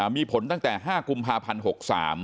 มีผลตั้งแต่๕กุมภาพันธ์๖๓